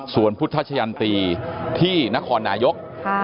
ส่วนพุทธชะยันตีที่นครนายก